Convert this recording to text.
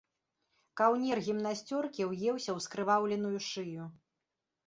Каўнер гімнасцёркі ўеўся ў скрываўленую шыю.